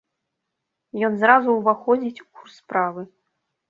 Ён зразу ўваходзіць у курс справы.